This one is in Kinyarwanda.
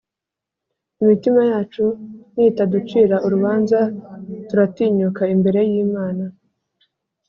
imitima yacu nitaducira urubanza, turatinyuka imbere y’Imana.